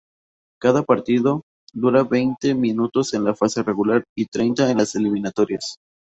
Cada partido dura veinte minutos en la fase regular y treinta en las eliminatorias.